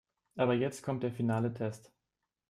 Aber jetzt kommt der finale Test.